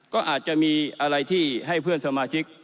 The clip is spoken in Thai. ก็อาจจะมีอะไรที่ให้เพื่อนสมาชิก